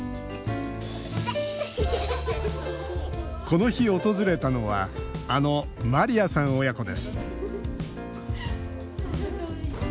この日、訪れたのはあのマリアさん親子です。